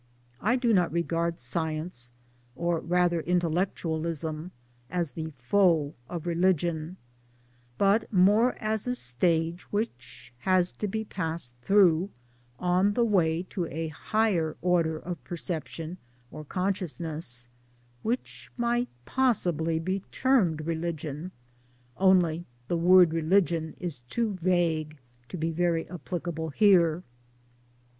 I do not regard 1 Science or rather Intellectualism as the foe of Religion, but more as a stage which has to be passed through on the way to a higher order of perception or con sciousness which might possibly be termed Religion only the word religion is too vague to be very applicable here.